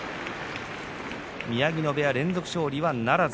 宮城野部屋、連続勝利にはならず。